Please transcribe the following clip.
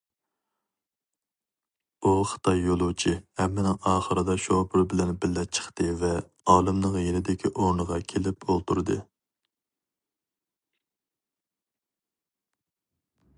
ئۇ خىتاي يولۇچى ھەممىنىڭ ئاخىرىدا شوپۇر بىلەن بىللە چىقتى ۋە ئالىمنىڭ يېنىدىكى ئورنىغا كېلىپ ئولتۇردى.